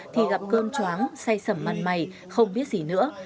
thì gặp cơm chóng say sầm mặt mày không biết gì nữa